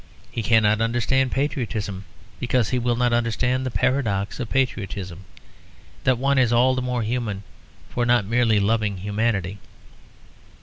He cannot understand patriotism, because he will not understand the paradox of patriotism; that one is all the more human for not merely loving humanity.